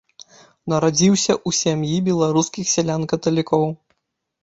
Нарадзіўся ў сям'і беларускіх сялян-каталікоў.